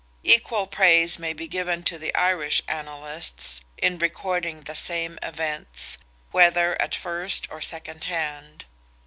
Equal praise may be given to the Irish annalists in recording the same events, whether at first or second hand.